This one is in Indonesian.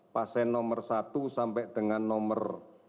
pasien nomor satu sampai dengan nomor